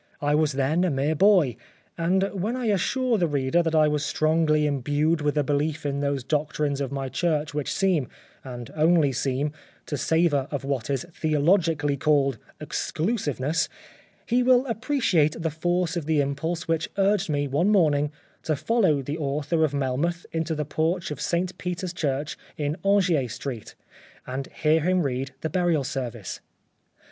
I was then a mere boy ; and when I assure the reader that I was strongly imbued with a belief in those doctrines of my church which seem (and only seem) to savour of what is theologi cally called '^ exclusiveness," he will appreciate the force of the impulse which urged me one morning to follow the author of Melmoth into the porch of St Peter's Church in Aungier Street, and hear him read the burial service.